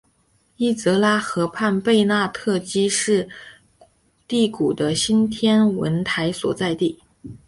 伊泽拉河畔贝纳特基是第谷的新天文台所在地。